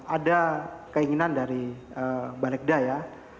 ada keinginan dari balegda ya